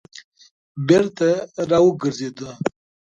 بېرته راوګرځېده.